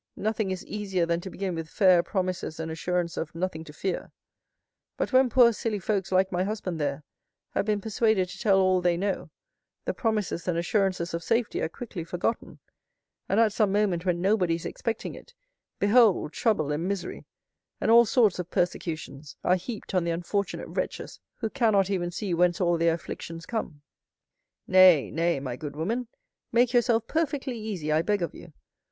"Nothing is easier than to begin with fair promises and assurances of nothing to fear; but when poor, silly folks, like my husband there, have been persuaded to tell all they know, the promises and assurances of safety are quickly forgotten; and at some moment when nobody is expecting it, behold trouble and misery, and all sorts of persecutions, are heaped on the unfortunate wretches, who cannot even see whence all their afflictions come." "Nay, nay, my good woman, make yourself perfectly easy, I beg of you.